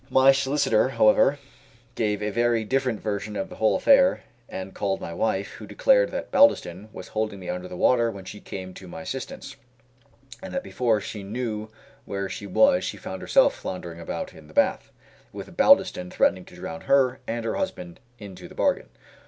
My solicitor, however, gave a very different version of the whole affair, and called my wife, who declared that Baldiston was holding me under the water when she came to my assistance, and that before she knew where she was she found herself floundering about in the bath, with Baldiston threatening to drown her and her husband into the bargain.